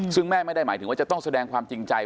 ซึ่งแม่ไม่ได้หมายถึงว่าจะต้องแสดงความจริงใจ